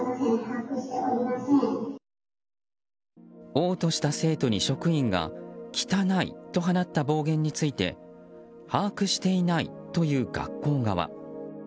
嘔吐した生徒に職員が汚いと放った暴言について把握していないという学校側。